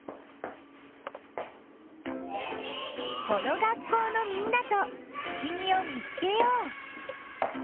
この学校のみんなとふしぎを見つけよう。